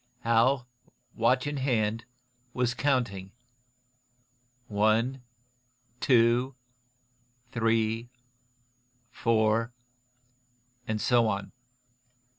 Hal, watch in hand was counting: "One, two, three, four " and so on.